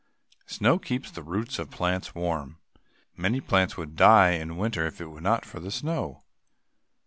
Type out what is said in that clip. Snow keeps the roots of plants warm. Many plants would die in winter if it were not for the snow.